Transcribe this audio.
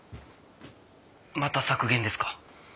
また削減ですか？